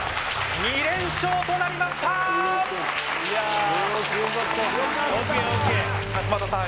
２連勝となりました勝又さん